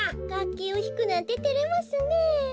がっきをひくなんててれますねえ。